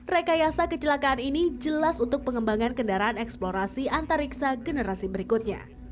rekayasa kecelakaan ini jelas untuk pengembangan kendaraan eksplorasi antariksa generasi berikutnya